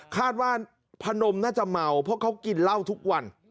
คาดว่าพนมน่าจะเมาเพราะเขากินเหล้าทุกวัน